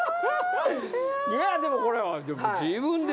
いやでもこれは。